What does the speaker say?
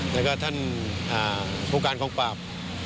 และก็ท่านภูการของปราบ